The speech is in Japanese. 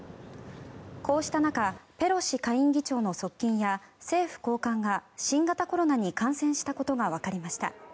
こうした中ペロシ下院議長の側近や政府高官が新型コロナに感染したことがわかりました。